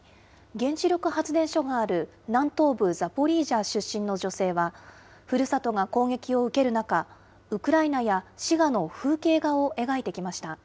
原子力発電所がある南東部ザポリージャ出身の女性は、ふるさとが攻撃を受ける中、ウクライナや滋賀の風景画を描いてきました。